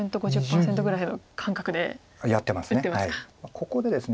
ここでですね